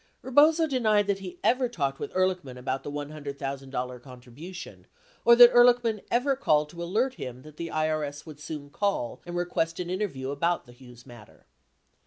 75 Rebozo denied that he ever talked with Ehrlichman about the $100,000 contribution or that Ehrlichman ever called to alert, him that the IRS would soon call and request an inter view about the Hughes matter.